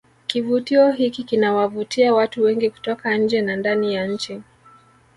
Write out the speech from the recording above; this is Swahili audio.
kivutio hiki kinawavutia watu wengi kutoka nje na ndani ya nchi